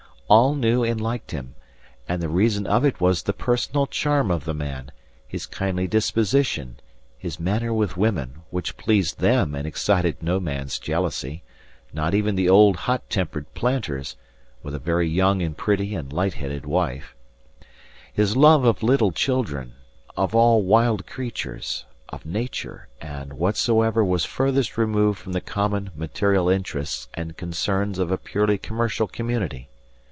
All knew and liked him, and the reason of it was the personal charm of the man, his kindly disposition, his manner with women, which pleased them and excited no man's jealousy not even the old hot tempered planter's, with a very young and pretty and light headed wife his love of little children, of all wild creatures, of nature, and of whatsoever was furthest removed from the common material interests and concerns of a purely commercial community.